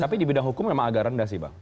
tapi di bidang hukum memang agak rendah sih bang